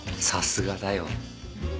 さすがだよ。